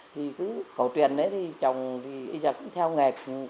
thì cứ cầu truyền chồng thì bây giờ cũng theo nghề